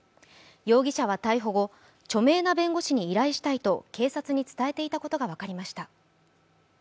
容疑者は逮捕後著名な弁護士に依頼したいと警察に伝えていたことが分かりました。